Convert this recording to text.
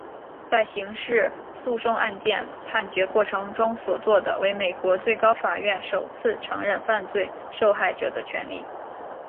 在刑事诉讼案件判决过程所做的为美国最高法院首次承认犯罪受害者的权利。